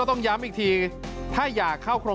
โทษภาพชาวนี้ก็จะได้ราคาใหม่